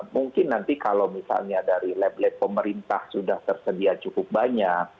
mungkin nanti kalau misalnya dari lab lab pemerintah sudah tersedia cukup banyak